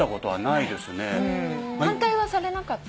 反対はされなかった？